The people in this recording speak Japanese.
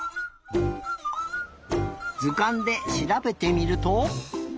ずかんでしらべてみると？